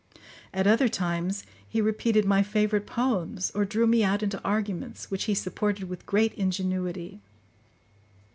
At other times he repeated my favourite poems, or drew me out into arguments, which he supported with great ingenuity.